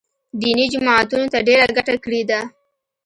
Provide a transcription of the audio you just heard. دیني جماعتونو ته ډېره ګټه کړې ده